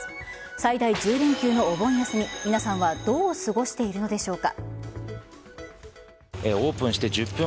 最大１０連休のお盆休み皆さんはどう過ごしているのでしょうか？